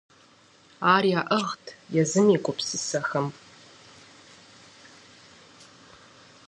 Ар яӏыгът езым и гупсысэхэм…